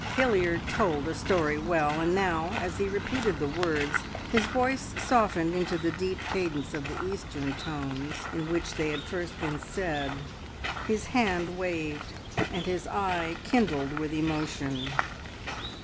'" Hilliard told a story well, and now, as he repeated the words, his voice softened into the deep cadence of the Eastern tones, in which they had first been said; his hand waved and his eye kindled with emotion.